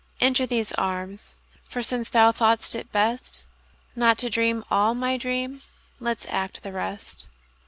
Enter these arms, for since thou thought'st it bestNot to dream all my dream, let's act the rest.